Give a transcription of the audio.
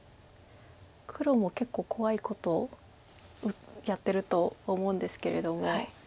黒も結構怖いことをやってると思うんですけれども。